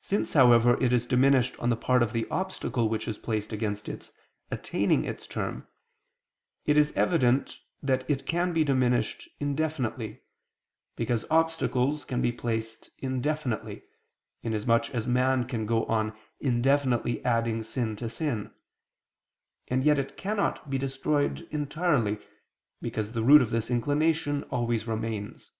Since, however, it is diminished on the part of the obstacle which is placed against its attaining its term, it is evident that it can be diminished indefinitely, because obstacles can be placed indefinitely, inasmuch as man can go on indefinitely adding sin to sin: and yet it cannot be destroyed entirely, because the root of this inclination always remains.